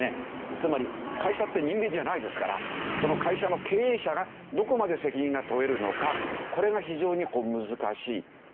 つまり会社って人間じゃないですからその会社の経営者がどこまで責任が問えるのかこれが非常に難しい。